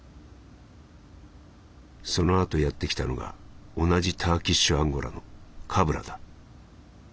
「その後やって来たのが同じターキッシュアンゴラの鏑だ。